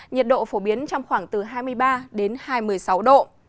nhiệt độ phổ biến trong khoảng từ hai mươi ba đến hai mươi sáu độ